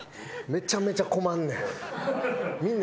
めちゃめちゃ困んねん。